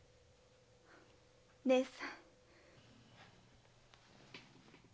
義姉さん。